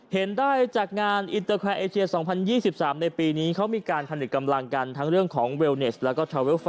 เห็นได้จากงานอินเตอร์แฮร์ไอเชียร์สองพันยี่สิบสามในปีนี้เขามีการผนิดกำลังกันทั้งเรื่องของเวลนิสแล้วก็